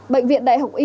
bệnh viện đại học y